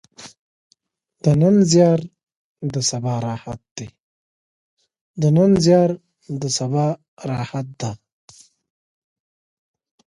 د نن زیار د سبا راحت ده.